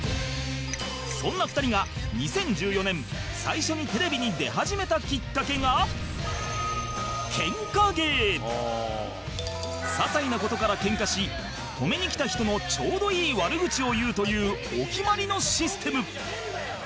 そんな２人が２０１４年最初に些細な事からケンカし止めに来た人のちょうどいい悪口を言うというお決まりのシステム